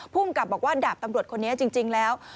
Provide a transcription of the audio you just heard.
ภูมิกับบอกว่าดาบตำรวจคนนี้จริงแล้ว